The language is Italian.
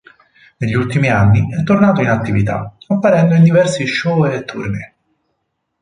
Negli ultimi anni è tornato in attività, apparendo in diversi show e tournée.